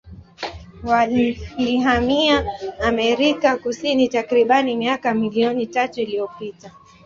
Walihamia Amerika Kusini takribani miaka milioni tatu iliyopita.